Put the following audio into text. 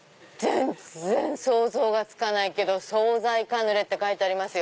全然想像がつかないけど「惣菜カヌレ」って書いてあります。